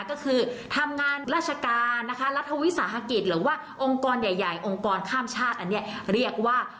ก็คือทำงานราชการนะคะรัฐวิสาหกิจหรือว่าองค์กรใหญ่